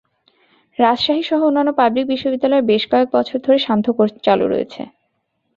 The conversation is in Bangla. রাজশাহীসহ অন্যান্য পাবলিক বিশ্ববিদ্যালয়ে বেশ কয়েক বছর ধরে সান্ধ্য কোর্স চালু রয়েছে।